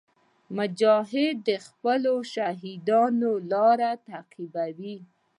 مجاهد د خپلو شهیدانو لار تعقیبوي.